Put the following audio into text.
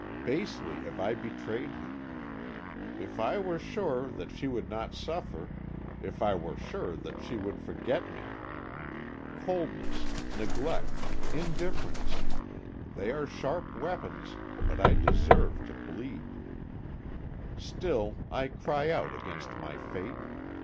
Basely have I betrayed him. "If I were sure that she would not suffer if I were sure that she would forget me! Coldness, neglect, indifference they are sharp weapons, but I deserve to bleed. "Still, I cry out against my fate.